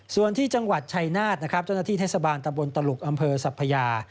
ส่วนที่จังหวัดชัยนาธจนาที่เทศบาลตำบลตะหลุกอำเภอสัพพยา